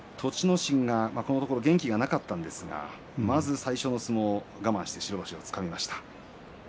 心がこのところ元気がなかったんですがまず最初の相撲、我慢して白星をつかみました。